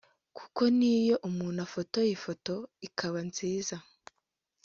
kuko n’iyo umuntu afotoye ifoto ikaba nziza